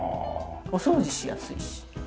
お掃除しやすいし。